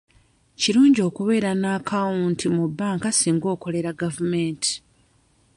Kirungi okubeera n'akawunti mu bbanka singa okolera gavumenti.